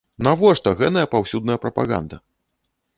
Навошта гэная паўсюдная прапаганда?